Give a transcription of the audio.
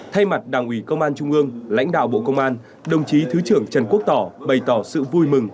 thay mặt đảng ủy công an trung ương lãnh đạo bộ công an đồng chí thứ trưởng trần quốc tỏ bày tỏ sự vui mừng